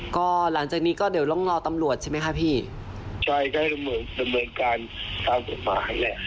ก็หลังจากนี้ก็เดี๋ยวต้องรอตำรวจใช่ไหมคะพี่ใช่ก็เหมือนดำเนินการตามกฎหมายแหละ